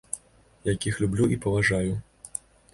Якіх люблю і паважаю.